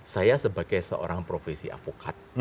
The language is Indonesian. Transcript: saya sebagai seorang profesi avokat